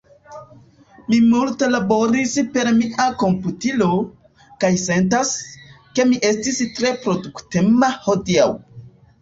Mi multe laboris per mia komputilo, kaj sentas, ke mi estis tre produktema hodiaŭ.